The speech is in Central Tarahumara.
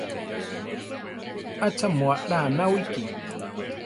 ¿Achá mu alá anáwiki?